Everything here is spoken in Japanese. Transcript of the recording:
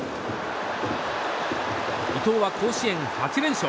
伊藤は甲子園８連勝。